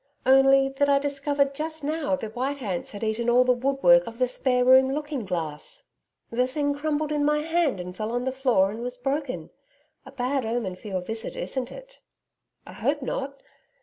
'Only that I discovered just now the white ants had eaten all the woodwork of the spare room looking glass. The thing crumbled in my hand and fell on the floor and was broken. A bad omen for your visit, isn't it?' 'I hope not.